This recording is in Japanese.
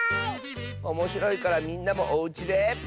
おもしろいからみんなもおうちで。